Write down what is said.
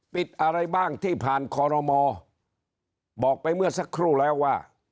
อะไรบ้างที่ผ่านคอรมอบอกไปเมื่อสักครู่แล้วว่า